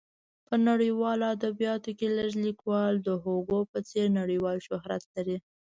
په نړیوالو ادبیاتو کې لږ لیکوال د هوګو په څېر نړیوال شهرت لري.